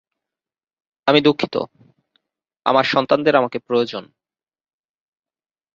আমি দুঃখিত, আমার সন্তানদের আমাকে প্রয়োজন।